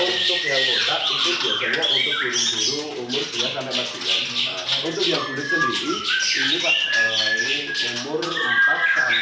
untuk yang kotak itu biasanya untuk burung burung umur tiga empat tahun